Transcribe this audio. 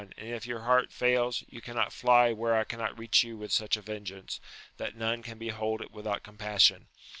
and if your hea^ fails, you cannot fly where I cannot reach you with such a vengeance, that none can behold it without compassion.